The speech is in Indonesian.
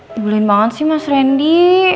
dibulin banget sih mas randy